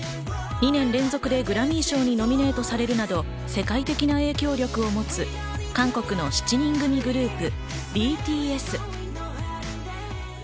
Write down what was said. ２年連続でグラミー賞にノミネートされるなど、世界的な影響力を持つ韓国の７人グループＢＴＳ。